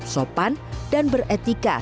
sopan dan beretika